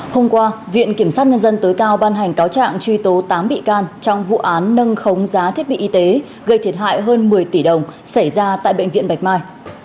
hôm qua viện kiểm sát nhân dân tối cao ban hành cáo trạng truy tố tám bị can trong vụ án nâng khống giá thiết bị y tế gây thiệt hại hơn một mươi tỷ đồng xảy ra tại bệnh viện bạch mai